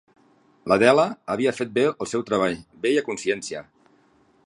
L'Adele havia fet bé el seu treball bé i a consciència.